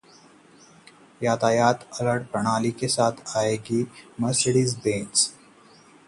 यातायात अलर्ट प्रणाली के साथ आएगी मर्सिडीज बेंज